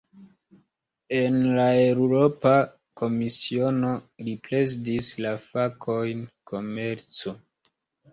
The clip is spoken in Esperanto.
En la Eŭropa Komisiono, li prezidis la fakojn "komerco".